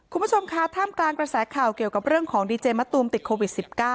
คุณผู้ชมคะท่ามกลางกระแสข่าวเกี่ยวกับเรื่องของดีเจมะตูมติดโควิด๑๙